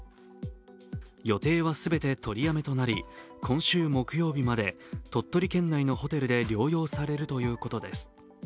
予定は全て取りやめとなり今週木曜日まで鳥取県内のホテルで療養されるということです。